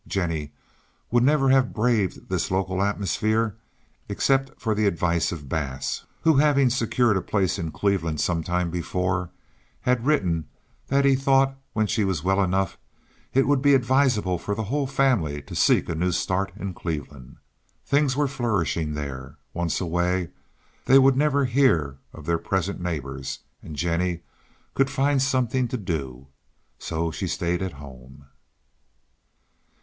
Jennie would never have braved this local atmosphere except for the advice of Bass, who, having secured a place in Cleveland some time before, had written that he thought when she was well enough it would be advisable for the whole family to seek a new start in Cleveland. Things were flourishing there. Once away they would never hear of their present neighbors and Jennie could find something to do. So she stayed at home.